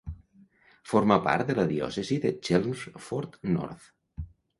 Forma part de la diòcesi de Chelmsford North.